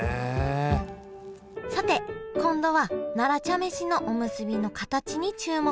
さて今度は奈良茶飯のおむすびの形に注目。